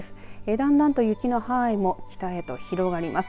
だんだんと雪の範囲が北へと広がります。